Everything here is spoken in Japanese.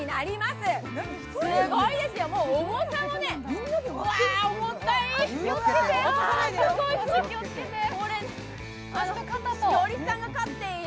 すごいですよ、もう重さもわあ、重たい！